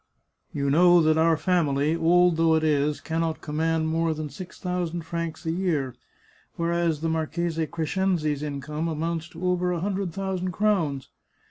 " You know that our family, old though it is, can not command more than six thousand francs a year, whereas the Marchese Crescenzi's income amounts to over a hundred thousand crowns.